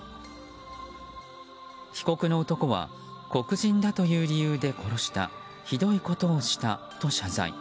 被告の男は黒人だという理由で殺したひどいことをしたと謝罪。